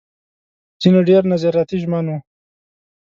ځينې ډېر نظریاتي ژمن وو.